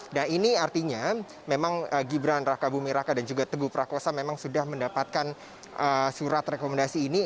nah ini artinya memang gibran raka bumi raka dan juga teguh prakosa memang sudah mendapatkan surat rekomendasi ini